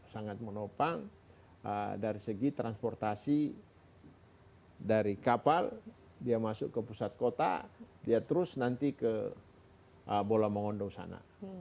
sangat menopang dari segi transportasi dari kapal dia masuk ke pusat kota dia terus nanti ke bola mongondo sana